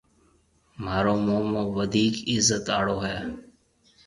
مهارو مومو وڌيڪ عِزت آݪو هيَ۔